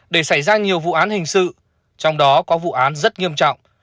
để xảy ra nhiều vụ án hình sự trong đó có vụ án rất nghiêm trọng